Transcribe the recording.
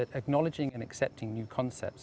tetapi mengakui dan menerima konsep baru